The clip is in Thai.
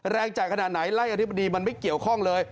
แรงจ่ายขนาดไหนไล่อธิบดีมันไม่เกี่ยวข้องเลย